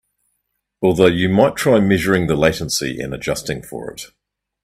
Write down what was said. Although you might try measuring the latency and adjusting for it.